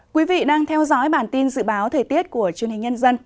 quý vị đang theo dõi bản tin dự báo thời tiết của chương trình nhân dân